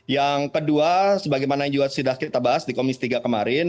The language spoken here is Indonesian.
yang kedua sebagaimana juga sudah kita bahas di komisi tiga kemarin